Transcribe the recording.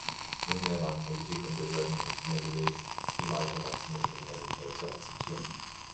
Nunmehr waren Politik und Behörden nicht mehr gewillt, die weiter wachsende Kriminalität zu akzeptieren.